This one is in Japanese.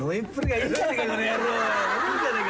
いいじゃねえか。